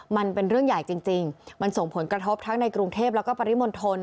มันเป็นเรื่องใหญ่จริงมันส่งผลกระทบทั้งในกรุงเทพแล้วก็ปริมณฑล